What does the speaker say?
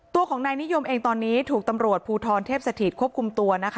ตัวของนายนิยมเองตอนนี้ถูกตำรวจภูทรเทพสถิตควบคุมตัวนะคะ